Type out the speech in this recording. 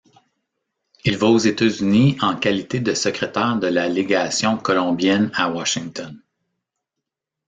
Il va aux États-Unis en qualité de secrétaire de la légation colombienne à Washington.